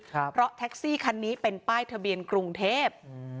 เพราะแท็กซี่คันนี้เป็นป้ายทะเบียนกรุงเทพอืม